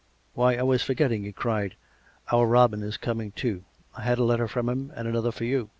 " Why, I was forgetting," he cried. " Our Robin is coming too. I had a letter from him, and another for you."